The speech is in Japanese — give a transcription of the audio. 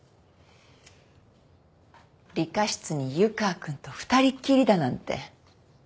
理科室に湯川君と二人っきりだなんて。